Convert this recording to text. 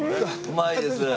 うまいです。